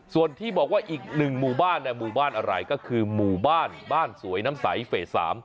ส่วนที่บอกว่าอีกหนึ่งหมู่บ้านหมู่บ้านอะไรก็คือหมู่บ้านบ้านสวยน้ำใสเฟส๓